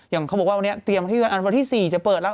อย่างเขาบอกว่าวันนี้เตรียมที่๔จะเปิดแล้ว